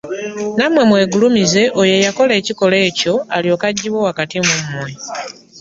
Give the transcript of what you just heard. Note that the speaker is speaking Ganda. Nammwe mwegulumize oyo eyakola ekikolwa ekyo alyoke aggibwe wakati mu mmwe.